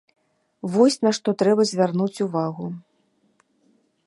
Вось, на што трэба звярнуць увагу.